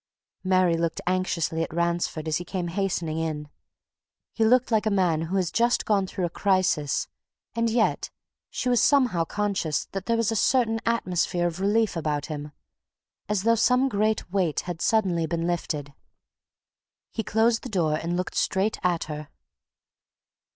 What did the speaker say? Mary looked anxiously at Ransford as he came hastening in. He looked like a man who has just gone through a crisis and yet she was somehow conscious that there was a certain atmosphere of relief about him, as though some great weight had suddenly been lifted. He closed the door and looked straight at her.